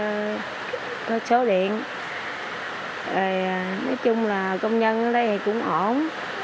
nói chung là công nhân ở đây cũng ổn